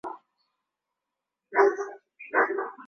kushughulikia matatizo ya uchafuzi wa hewa ya kawaida na yanayofanana